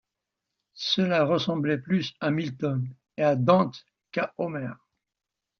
Cela ressemblait plus à Milton et à Dante qu’à Homère.